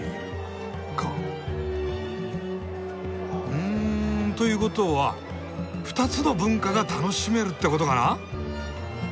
うんということは２つの文化が楽しめるってことかな？